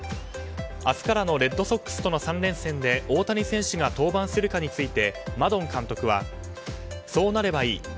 明日からのレッドソックスとの３連戦で大谷選手が登板するかについてマドン監督はそうなればいい。